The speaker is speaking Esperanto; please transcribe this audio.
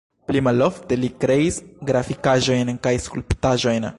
Pli malofte li kreis grafikaĵojn kaj skulptaĵojn.